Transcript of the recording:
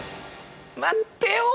待ってよ！